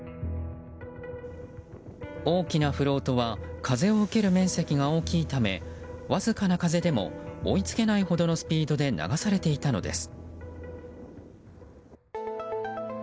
大きなフロートは風を受ける面積が大きいためわずかな風でも追いつけないほどのスピードで流されていたのです。